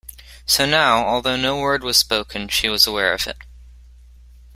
So now, although no word was spoken, she was aware of it.